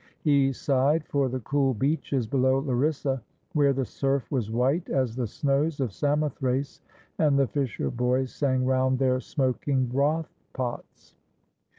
He sighed for the cool beaches below Larissa, where the surf was white as the snows of Samothrace, and the fisher boys sang round their smoking broth pots.